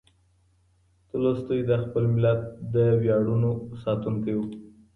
تولستوی د خپل ملت د ویاړونو ساتونکی و.